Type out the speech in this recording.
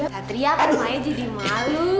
satria kan main jadi malu